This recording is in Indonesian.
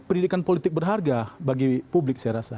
pendidikan politik berharga bagi publik saya rasa